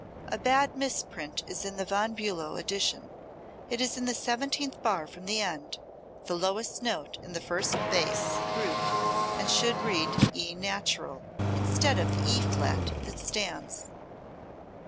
A bad misprint is in the Von Bulow edition: it is in the seventeenth bar from the end, the lowest note in the first bass group and should read E natural, instead of the E flat that stands.